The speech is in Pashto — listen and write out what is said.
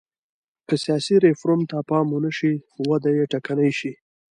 که سیاسي ریفورم ته پام ونه شي وده یې ټکنۍ شي.